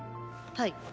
はい。